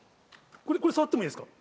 これ触ってもいいですか？